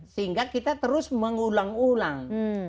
sehingga kita terus mengulang ulang